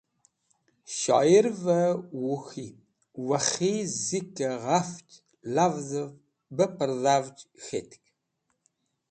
Shoyirve Whuk̃hi/ Wakhi zikẽ ghaf lavzẽv bẽ pẽrdhavj k̃hetk.